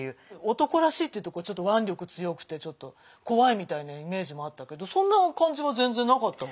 男らしいっていうと腕力強くて怖いみたいなイメージもあったけどそんな感じは全然なかったわね。